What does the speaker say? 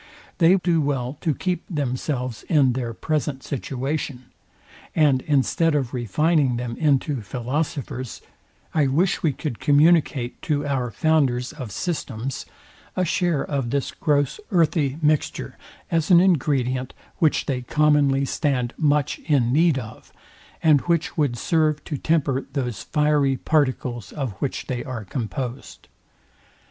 They do well to keep themselves in their present situation; and instead of refining them into philosophers, I wish we could communicate to our founders of systems, a share of this gross earthy mixture, as an ingredient, which they commonly stand much in need of, and which would serve to temper those fiery particles, of which they are composed.